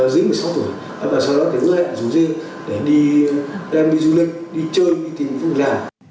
và sau đó hứa hẹn dù dư để đem đi du lịch đi chơi đi tìm phương mức làm